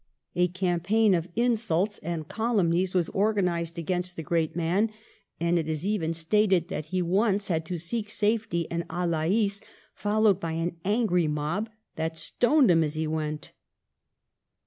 A campaign of FOR THE NATIONAL WEALTH 89 insults and calumnies was organised against the great man, and it is even stated that he once had to seek safety in Alais, followed by an angry mob that stoned him as he went.